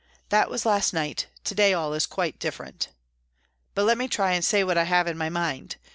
" That was last night ; to day all is quite different." " But let me try and say what I have in my mind.